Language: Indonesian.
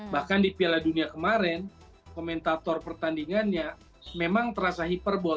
bahkan di piala dunia kemarin komentator pertandingannya memang terasa hiperbol